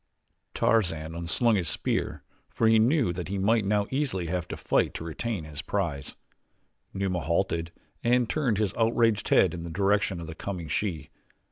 Tarzan un slung his spear for he knew that he might now easily have to fight to retain his prize. Numa halted and turned his outraged head in the direction of the coming she.